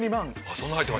そんな入ってますか。